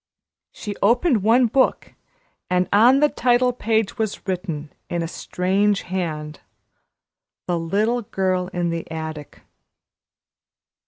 She opened one book, and on the title page was written in a strange hand, "The little girl in the attic."